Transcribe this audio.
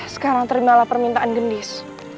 sekarang terimalah permintaan gendis